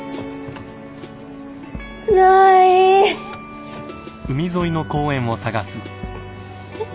ない！えっ！？